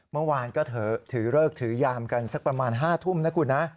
เมื่อวานก็ถือเลิกถือยามกันสักประมาณ๕ทุ่มนะคุณนะ